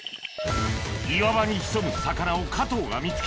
岩場に潜む魚を加藤が見つけ